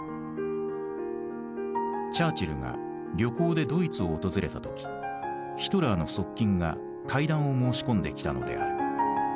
チャーチルが旅行でドイツを訪れた時ヒトラーの側近が会談を申し込んできたのである。